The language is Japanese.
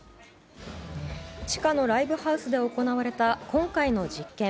地下のライブハウスで行われた今回の実験。